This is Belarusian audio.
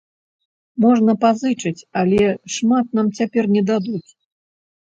Можна пазычыць, але шмат нам цяпер не дадуць.